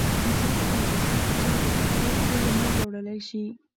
انسان خپله غوسه په څو دقيقو کې له منځه وړلی شي.